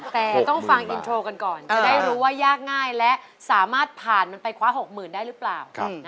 แต่ต้องฟังอินโทรกันก่อนจะได้รู้ว่ายากง่ายและสามารถผ่านมันไปคว้า๖๐๐๐ได้หรือเปล่า